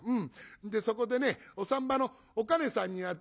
でそこでねお産婆のおかねさんに会って。